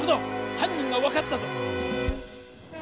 犯人が分かったぞ！